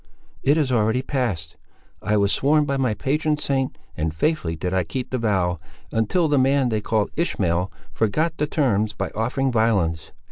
"It is already passed. I was sworn by my patron saint, and faithfully did I keep the vow, until the man they call Ishmael forgot the terms by offering violence.